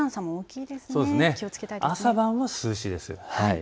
朝晩は涼しいです。